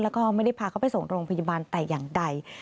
แล้วก็ไม่ได้พาเขาไปส่งโรงพยาบาลแต่อย่างใด